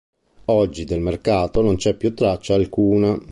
Oggi del mercato non c'è più traccia alcuna.